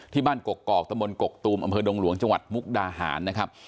ที่บ้านกกกอบตมกกตูมอดงหลวงจมุกดาหาร